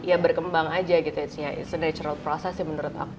ya berkembang aja gitu it's a natural process sih menurut aku